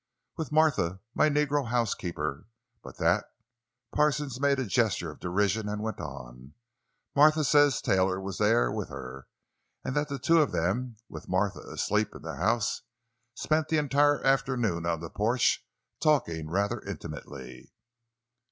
"With Martha, my negro housekeeper. But that—" Parsons made a gesture of derision and went on: "Martha says Taylor was there with her, and that the two of them—with Martha asleep in the house—spent the entire afternoon on the porch, talking rather intimately."